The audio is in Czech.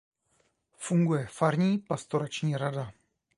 Funguje farní pastorační rada.